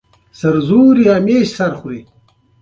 زرپاڼه ، زرينه ، زرمينه ، زرڅانگه ، زرکه ، زربخته